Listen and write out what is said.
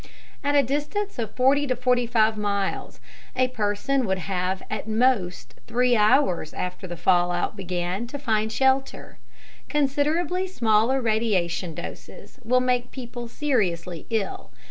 At a distance of 40 45 miles, a person would have at most 3 hours after the fallout began to find shelter. Considerably smaller radiation doses will make people seriously ill.